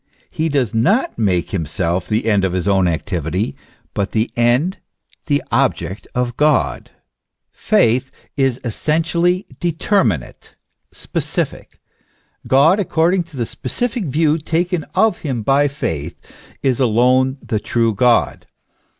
He does not make himself the end of his own activity, but the end, the ob ject of God. Faith is essentially determinate, specific. God according to the specific view taken of him by faith, is alone the true God.